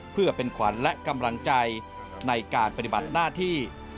เพื่อเป็นขวัญและกำลังใจในการปฏิบัติหน้าที่